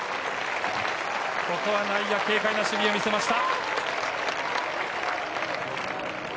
ここは内野、軽快な守備を見せました。